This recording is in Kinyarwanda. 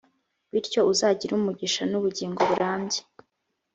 bityo uzagira umugisha n’ubugingo burambye.